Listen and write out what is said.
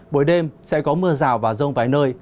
buổi đêm sẽ có mưa rào và rông vài nơi